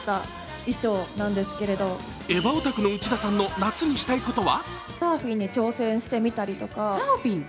エヴァオタクの内田さんの夏にしたいことは？